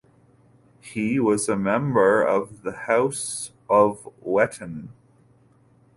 He was a member of the House of Wettin.